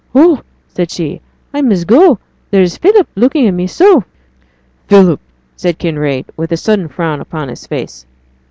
'Oh,' said she, 'I must go. There's Philip looking at me so.' 'Philip!' said Kinraid, with a sudden frown upon his face.